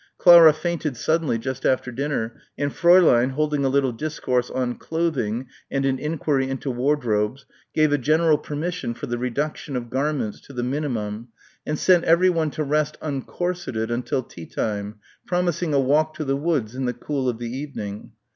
Clara fainted suddenly just after dinner, and Fräulein, holding a little discourse on clothing and an enquiry into wardrobes, gave a general permission for the reduction of garments to the minimum and sent everyone to rest uncorseted until tea time, promising a walk to the woods in the cool of the evening.